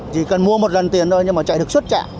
chỉ cần mua một lần tiền thôi nhưng mà chạy được suốt trạm